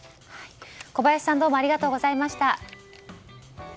小林さん、どうもありがとうございました。